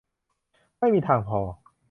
ไม่มีทางพอ